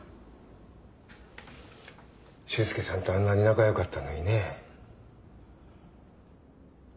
修介さんとあんなに仲良かったのにね。